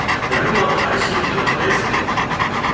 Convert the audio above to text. گھر مان هر شيز لاوي سي